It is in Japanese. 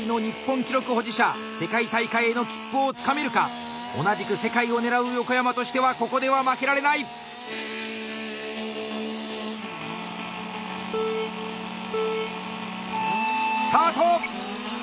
世界大会への切符をつかめるか⁉同じく世界を狙う横山としてはここでは負けられない！スタート！